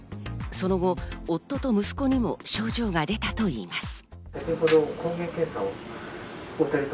その後、夫と息子にも症状が出たといいます。